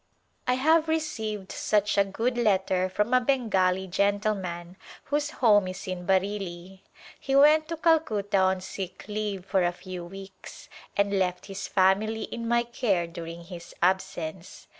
I have received such a good letter from a Bengali gentleman whose home is in Bareilly. He went to Calcutta on sick leave for a i^vf weeks and left his family in my care during his absence.